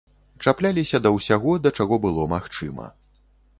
Чапляліся да ўсяго, да чаго было магчыма.